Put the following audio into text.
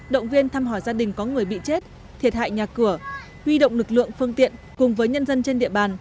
động viên thăm hỏi gia đình có người bị chết thiệt hại nhà cửa huy động lực lượng phương tiện cùng với nhân dân trên địa bàn